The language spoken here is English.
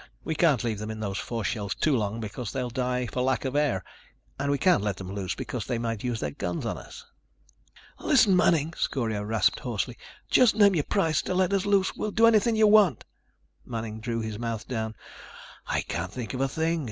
We can't leave them in those force shells too long because they'll die for lack of air. And we can't let them loose because they might use their guns on us." "Listen, Manning," Scorio rasped hoarsely, "just name your price to let us loose. We'll do anything you want." Manning drew his mouth down. "I can't think of a thing.